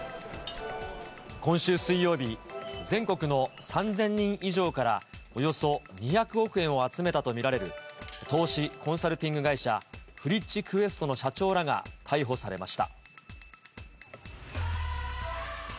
今週水曜日、全国の３０００人以上からおよそ２００億円を集めたと見られる、投資コンサルティング会社、フリッチクエストの社長らが逮捕されました。